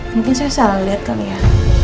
mungkin saya salah liat kali ya